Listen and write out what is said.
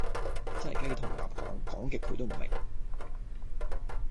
真係雞同鴨講，講極佢都唔明